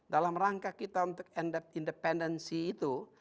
dalam rangka kita untuk independensi itu